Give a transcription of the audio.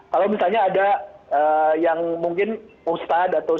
kalau misalnya ada yang mungkin ustadz atau